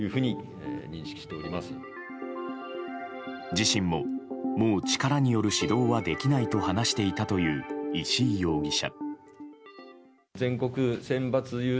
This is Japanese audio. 自身ももう力による指導はできないと話していたという石井容疑者。